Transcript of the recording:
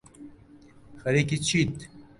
خەریکی چیت